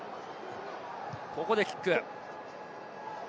ここでキック。